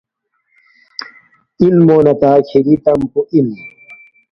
”اِنمو نہ تا کِھری تم پو اِن